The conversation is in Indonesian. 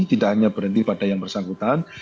tidak hanya berhenti pada yang bersangkutan